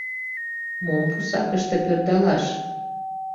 Мом пусакыште пӧрдалаш?